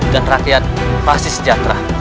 dan rakyat pasti sejahtera